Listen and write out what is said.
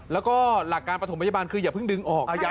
แล้วก็หลักการประถมพยาบาลคืออย่าเพิ่งดึงออก